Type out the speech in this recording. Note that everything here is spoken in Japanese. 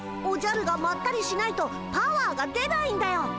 おじゃるがまったりしないとパワーが出ないんだよ！